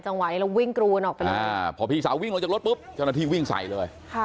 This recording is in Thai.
ไหวแล้ววิ่งกรูนออกไปเลยอ่าพอพี่สาววิ่งลงจากรถปุ๊บเจ้าหน้าที่วิ่งใส่เลย